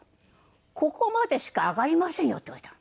「ここまでしか上がりませんよ」って言われたの。